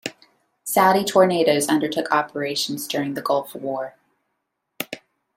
Saudi Tornados undertook operations during the Gulf War.